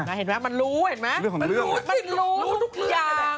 มันเห็นไหมมันรู้เห็นไหมมันรู้ทุกอย่างมันรู้สิมันรู้ทุกอย่าง